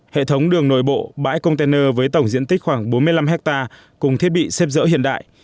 hệ thống đường nội bộ bãi container với tổng diện tích khoảng bốn mươi năm hectare cùng thiết bị xếp dỡ hiện đại